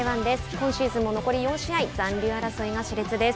今シーズンも残り４試合残留争いがしれつです。